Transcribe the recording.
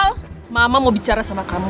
kamu tenang al mama mau bicara sama kamu